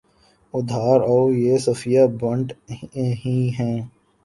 ادھر آؤ، یہ صفیہ بنت حیی ہیں